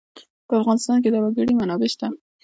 په افغانستان کې د وګړي منابع شته.